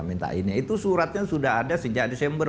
minta ini itu suratnya sudah ada sejak desember